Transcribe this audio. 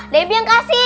debbie yang kasih